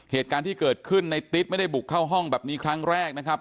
เหตุการณ์ที่เกิดขึ้นในติ๊ดไม่ได้บุกเข้าห้องแบบนี้ครั้งแรกนะครับ